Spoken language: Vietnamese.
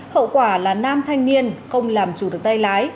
hậu quả là nam thanh niên không làm chủ được tay lái